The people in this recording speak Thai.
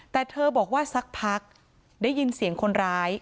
แต่เธอบอกว่าสักพักได้ยินเสียงคนร้าย